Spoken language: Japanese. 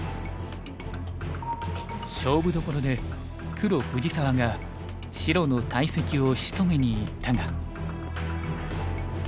勝負どころで黒藤沢が白の大石を仕留めにいったが。